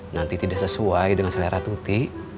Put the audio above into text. nanti tidak sesuai dengan selera tutik